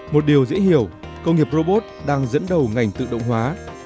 một điều dễ hiểu công nghiệp robot đang dẫn đầu ngành tự động hóa